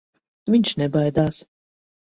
Viņš nebaidās.